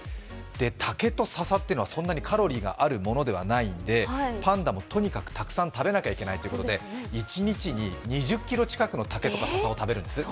竹と笹というのはそんなにカロリーがあるものではないのでパンダもとにかくたくさん食べなきゃいけないということで、一日に２０ｋｇ近くの竹とか笹を食べるんです。